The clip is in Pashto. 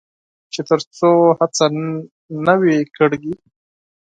چې تر څو هڅه نه وي کړې.